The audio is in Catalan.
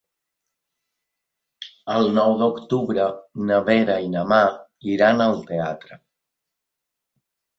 El nou d'octubre na Vera i na Mar iran al teatre.